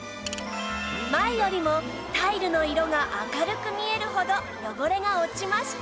前よりもタイルの色が明るく見えるほど汚れが落ちました